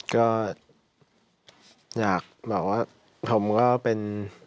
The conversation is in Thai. ก็อยากแบบว่าผมก็เป็น